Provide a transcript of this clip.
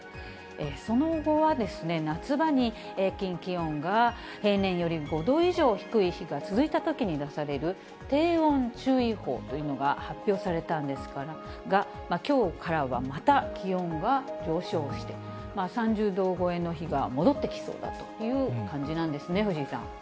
その後はですね、夏場に平均気温が平年より５度以上低い日が続いたときに出される、低温注意報というのが発表されたんですが、きょうからはまた気温は上昇して、３０度超えの日が戻ってきそうだという感じなんですね、藤井さん。